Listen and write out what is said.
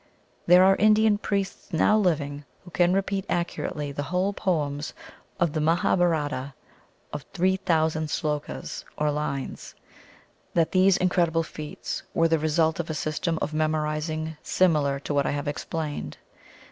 There are Indian priests now living who can repeat accurately the whole poems of the Mahabarata of 300,000 slokas or lines. That these incredible feats were the result of a system of memorizing similar to what I have explained.